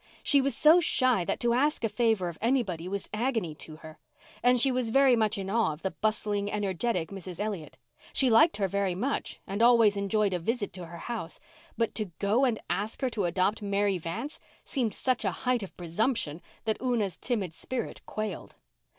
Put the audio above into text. She was so shy that to ask a favour of anybody was agony to her. And she was very much in awe of the bustling, energetic Mrs. Elliott. She liked her very much and always enjoyed a visit to her house; but to go and ask her to adopt Mary Vance seemed such a height of presumption that Una's timid spirit quailed.